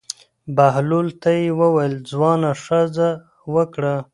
بهلول ته یې وویل: ځوانه ښځه وکړه.